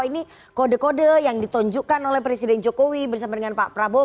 ini kode kode yang ditunjukkan oleh presiden jokowi bersama dengan pak prabowo